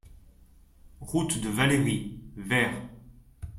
Route de Valleiry, Vers